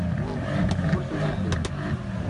Ur temlelli.